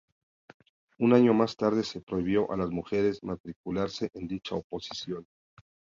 Un año más tarde se prohibió a las mujeres matricularse en dicha oposición.